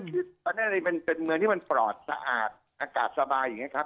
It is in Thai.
เพราะนั่นเช่นมันเป็นเมืองที่มันปลอดสะอาดอากาศสบายอย่างเนี่ยครับ